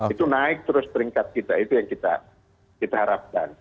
itu naik terus peringkat kita itu yang kita harapkan